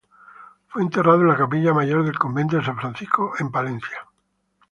Fue enterrado en la capilla mayor del Convento de San Francisco, en Palencia.